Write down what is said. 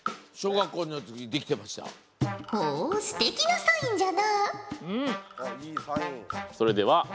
ほうすてきなサインじゃな。